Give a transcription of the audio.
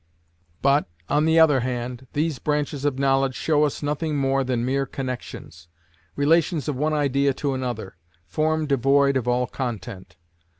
But, on the other hand, these branches of knowledge show us nothing more than mere connections, relations of one idea to another, form devoid of all content.